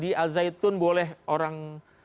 di al zaitun boleh orang